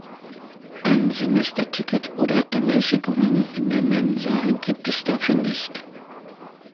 Ein Semesterticket oder Ermäßigungen in der Mensa gibt es dafür nicht.